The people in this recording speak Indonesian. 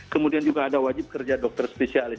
kemudian juga ada wajib kerja dokter spesialis